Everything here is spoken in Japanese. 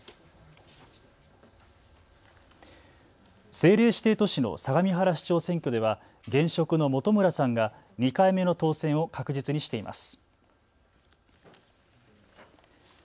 政令指定都市の相模原市長選挙では、現職の本村さんが２回目の当選を確実にしています。